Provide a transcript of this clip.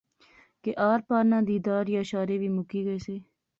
کہ آر پار ناں دیدار یا شارے وی مکی گئے سے